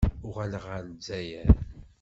Uɣaleɣ ɣer Lezzayer.